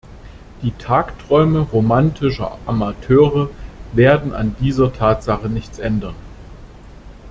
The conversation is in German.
Die Tagträume romantischer Amateure werden an dieser Tatsache nichts ändern.